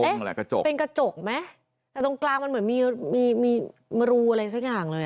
เป็นกระจกไหมแบบตรงกลางมันอยู่มัดรูอะไรซะอย่างเลย